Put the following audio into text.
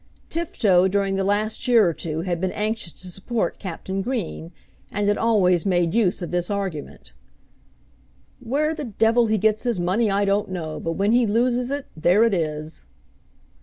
Tifto during the last year or two had been anxious to support Captain Green, and had always made use of this argument: "Where the d he gets his money I don't know; but when he loses, there it is."